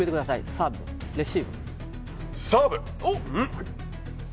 サーブ、レシーブ。